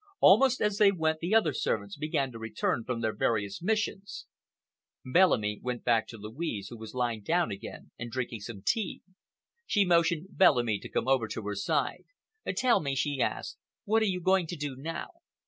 Almost as they went the other servants began to return from their various missions. Bellamy went back to Louise, who was lying down again and drinking some tea. She motioned Bellamy to come over to her side. "Tell me," she asked, "what are you going to do now?"